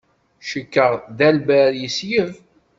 Cikkeɣ Delbert yesleb.